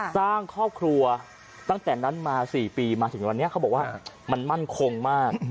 สร้างครอบครัวตั้งแต่นั้นมา๔ปีมาถึงวันนี้เขาบอกว่ามันมั่นคงมาก